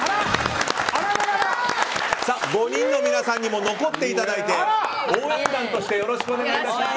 ５人の皆さんにも残っていただいて応援団としてよろしくお願いいたします！